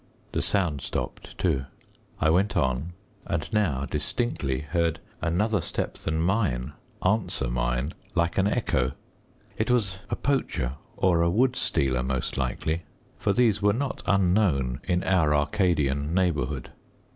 The sound stopped too. I went on, and now distinctly heard another step than mine answer mine like an echo. It was a poacher or a wood stealer, most likely, for these were not unknown in our Arcadian neighbourhood.